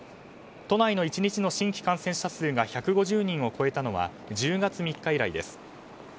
都内の１日の新規感染者数が１５０人を超えたのは１０月３日以来です。